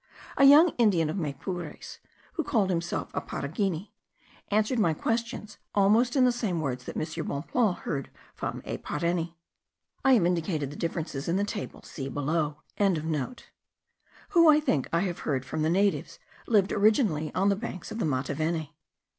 A young Indian of Maypures, who called himself a Paragini, answered my questions almost in the same words that M. Bonpland heard from a Pareni. I have indicated the differences in the table, see below.) who, I think I have heard from the natives, lived originally on the banks of the Mataveni.